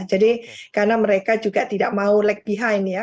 jadi karena mereka juga tidak mau lag behind ya